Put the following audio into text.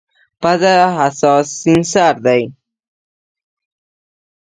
پزه حساس سینسر دی.